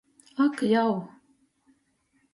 Ak jau!